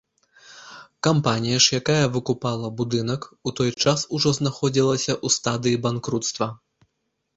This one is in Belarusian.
Кампанія ж, якая выкупала будынак, у той час ужо знаходзілася ў стадыі банкруцтва.